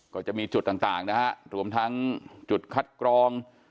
ก็จะมีจุดต่างนะฮะรวมทั้งจุดคัดกรอง